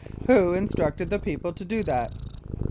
Who instructed the people to do that?